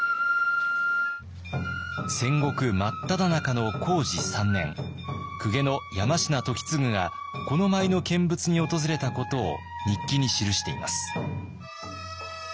戦国真っただ中の弘治３年公家の山科言継がこの舞の見物に訪れたことを日記に記しています。